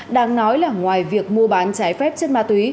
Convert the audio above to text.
đang nói là ngoài việc mua bán trái phép chất ma túy